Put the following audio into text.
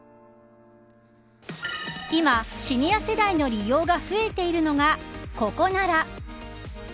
今、シニア世代の利用が増えているのがココナラ。